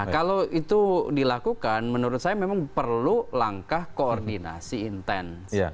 kalau itu dilakukan menurut saya memang perlu langkah koordinasi intens